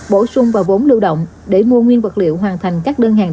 bổ sung vào vốn lưu động để mua nguyên vật liệu hoàn thành các đơn hàng